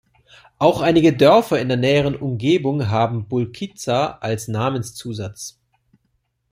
Auch einige Dörfer in der näheren Umgebung haben "Bulqiza" als Namenszusatz.